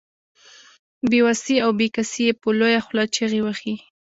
بې وسي او بې کسي يې په لويه خوله چيغې وهي.